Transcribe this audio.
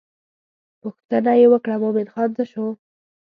پوښتنه یې وکړه مومن خان څه شو.